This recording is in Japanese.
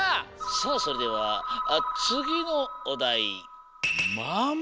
さあそれではつぎのおだい「まま」。